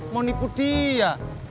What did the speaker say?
mau nipu dia